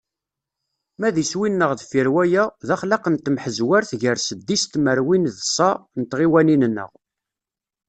Ma d iswi-nneɣ deffir waya, d axlaq n temḥezwert gar seddis tmerwin d ṣa n tɣiwanin-nneɣ.